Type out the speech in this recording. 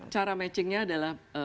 cara matchingnya adalah